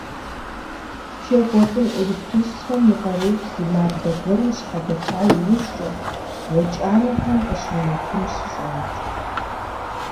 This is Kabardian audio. Пшэ кӏуэцӏым электричествэм и къарур зы мардэ гуэрым щхьэдэха иужькӏэ, уэ кӏанэхэм къыщыунэхун щыщӏадзэ.